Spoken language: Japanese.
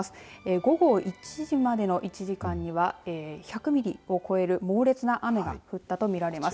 午後１時までの１時間には１００ミリを超える猛烈な雨が降ったとみられます。